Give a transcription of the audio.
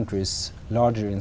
trở lại đến